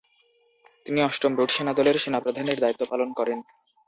তিনি অষ্টম রুট সেনাদলের সেনাপ্রধানের দায়িত্ব পালন করেন।